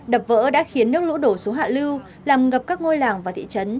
đập vỡ đã khiến nước lũ đổ xuống hạ lưu làm ngập các ngôi làng và thị trấn